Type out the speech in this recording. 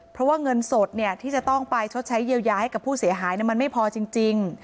เพราะว่าเงินสดที่จะต้องไปชดใช้เยียวยาให้กับผู้เสียหายมันไม่พอจริง